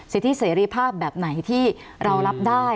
สิทธิเสรีภาพแบบไหนที่เรารับได้